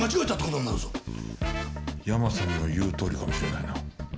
ヤマさんの言うとおりかもしれないな。